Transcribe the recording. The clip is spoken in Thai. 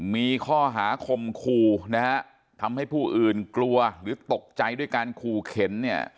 มีข้อหาคมคู่นะฮะทำให้ผู้อื่นกลัวหรือตกใจด้วยการขู่เข็นเนี่ย